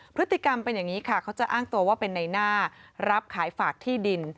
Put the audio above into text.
พฤติกรรมเป็นอย่างนี้ค่ะเขาจะอ้างตัวว่าเป็นในหน้ารับขายฝากที่ดิน